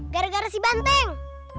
gara gara si banteng